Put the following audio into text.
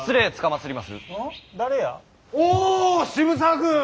おぉ渋沢君。